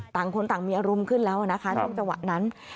ต่างคนต่างมีอารมณ์ขึ้นแล้วนะคะช่วงจังหวะนั้น